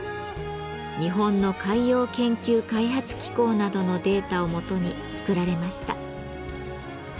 日本の海洋研究開発機構などのデータを基に作られました。